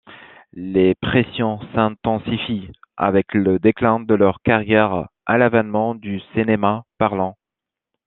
Les pressions s'intensifient avec le déclin de leurs carrières à l'avènement du cinéma parlant.